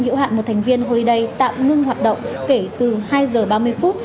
dự hạn một thành viên holiday tạm ngưng hoạt động kể từ hai h ba mươi phút